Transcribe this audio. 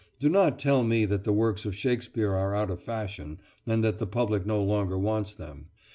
Do not tell me that the works of Shakespeare are out of fashion, and that the public no longer wants them.